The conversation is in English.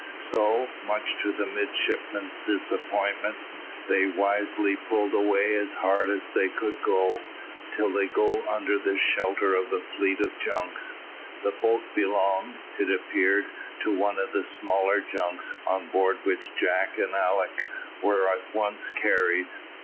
So, much to the midshipmen's disappointment, they wisely pulled away as hard as they could go, till they go under shelter of the fleet of junks. The boat belonged, it appeared, to one of the smaller junks, on board which Jack and Alick were at once carried.